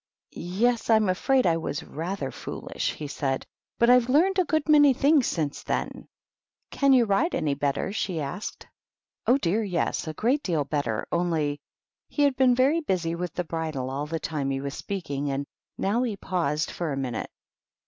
"Yes, I'm afraid I was rather foolish," he said; "but I've learned a good many things since then." 103 104 THE WHITE KNIGHT. " Can you ride any better ?" she asked. " Oh, dear, yes ! a great deal better, only " He had been very busy with the bridle all the time he was speaking, and now he paused for a minute.